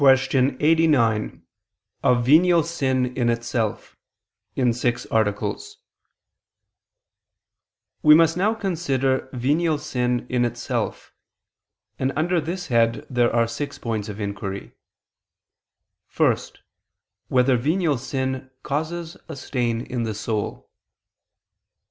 ________________________ QUESTION 89 OF VENIAL SIN IN ITSELF (In Six Articles) We must now consider venial sin in itself, and under this head there are six points of inquiry: (1) Whether venial sin causes a stain in the soul?